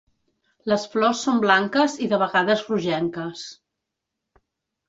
Les flors són blanques i de vegades rogenques.